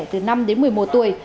từ năm đến một mươi một tuổi